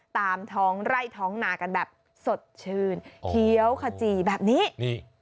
ตามท้องไร่ท้องนากันแบบสดชื่นเขียวขจีแบบนี้นี่